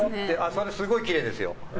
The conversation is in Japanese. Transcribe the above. それ、すごいきれいですよ。